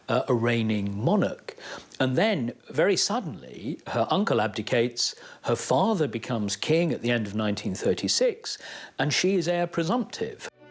และผู้อำนวยการเปลี่ยนแปลงในชีวิตของลิลิเบทในตอนนั้นว่า